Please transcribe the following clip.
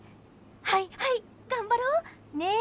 はいはい、頑張ろう。ね？